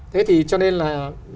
thế thì cho nên là